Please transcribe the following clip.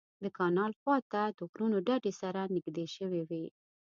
د کانال خوا ته د غرونو ډډې سره نږدې شوې وې.